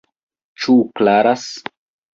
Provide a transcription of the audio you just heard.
Ĉu klaras?